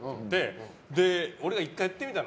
俺が１回、やってみたの。